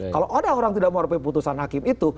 kalau ada orang tidak mewarnai putusan hakim itu